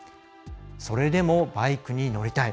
それでもバイクに乗りたい。